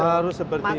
harus seperti itu